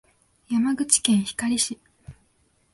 山口県光市